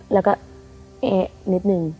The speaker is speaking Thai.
แล้วก็เอ๊ะนิดนึง